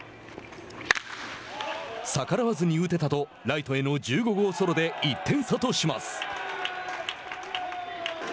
「逆らわずに打てた」とライトへの１５号ソロで１点差とします。